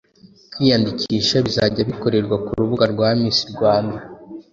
Kwiyandikisha bizajya bikorerwa ku rubuga rwa Miss Rwanda